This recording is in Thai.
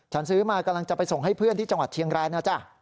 ซื้อมากำลังจะไปส่งให้เพื่อนที่จังหวัดเชียงรายนะจ๊ะ